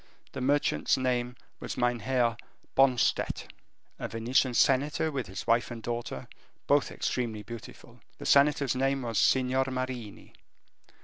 This merchant's name was Meinheer Bonstett. A Venetian senator with his wife and daughter, both extremely beautiful. The senator's name was Signor Marini.